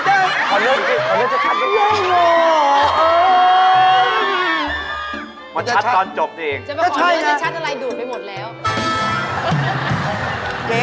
จะไปขอเวลาจะชัดอะไรดูดไปหมดแล้ว